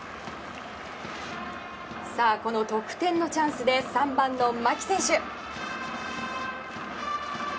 この得点のチャンスで３番の牧選手。